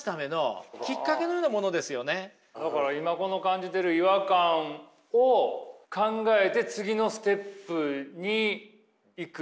だから今この感じてる違和感を考えて次のステップに行くってことなんですかね？